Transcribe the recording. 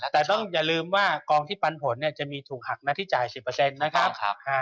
แต่ต้องอย่าลืมว่ากองที่ปันผลเนี่ยจะมีถูกหักหน้าที่จ่าย๑๐นะครับ